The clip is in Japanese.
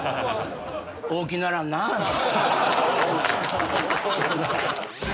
大きならんなぁ。